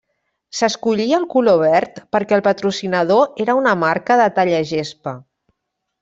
S'escollí el color verd perquè el patrocinador era una marca de tallagespa.